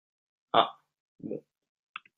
Ah, bon.